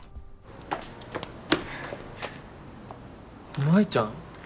舞ちゃん。